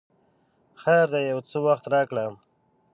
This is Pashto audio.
خیر دی یو څه وخت راکړه!